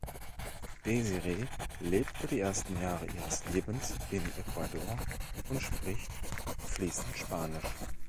Desiree lebte die ersten Jahre ihres Lebens in Ecuador und spricht fließend Spanisch.